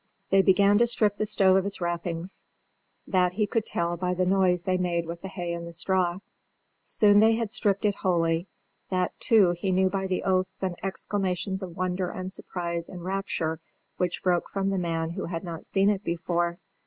They began to strip the stove of its wrappings: that he could tell by the noise they made with the hay and the straw. Soon they had stripped it wholly; that too, he knew by the oaths and exclamations of wonder and surprise and rapture which broke from the man who had not seen it before.